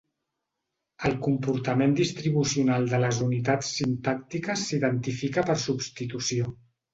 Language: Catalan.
El comportament distribucional de les unitats sintàctiques s'identifica per substitució.